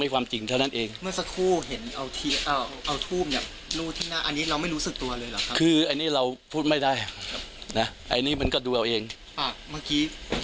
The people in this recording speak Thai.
ไม่เจ็บไม่ไม่มีอะไร